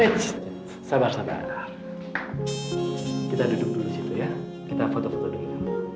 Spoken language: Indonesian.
eh sabar sabar kita duduk dulu di situ ya kita foto foto dulu